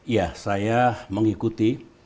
ya saya mengikuti